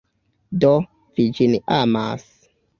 Do, vi ĝin amas?